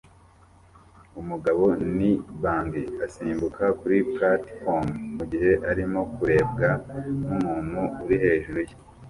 Umugabo ni bungee asimbuka kuri platifomu mugihe arimo kurebwa numuntu uri hejuru ye